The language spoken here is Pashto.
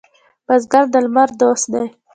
بزګر د لمر دوست دی